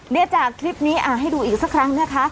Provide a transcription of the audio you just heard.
จากคลิปนี้ให้ดูอีกสักครั้งนะคะ